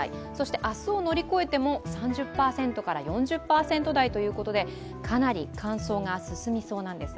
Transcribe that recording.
明日を乗り越えても３０％から４０％台ということでかなり乾燥が進みそうなんです。